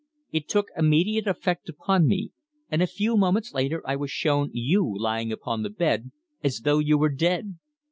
It took immediate effect upon me, and a few moments later I was shown you lying upon the bed, as though you were dead!